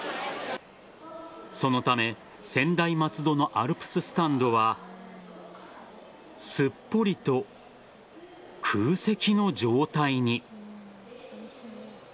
そのため専大松戸のアルプススタンドはすっぽりと空席の状態に。